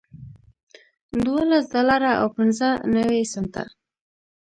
دولس ډالره او پنځه نوي سنټه